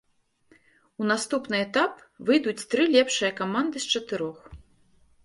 У наступны этап выйдуць тры лепшыя каманды з чатырох.